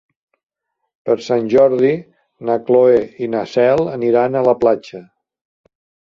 Per Sant Jordi na Cloè i na Cel aniran a la platja.